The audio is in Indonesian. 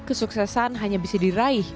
kesuksesan hanya bisa diraih